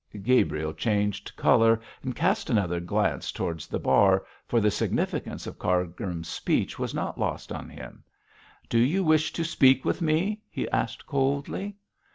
Gabriel changed colour and cast another glance towards the bar, for the significance of Cargrim's speech was not lost on him. 'Do you wish to speak with me?' he asked coldly.